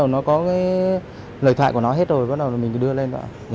nó có lời thoại của nó hết rồi bắt đầu mình đưa lên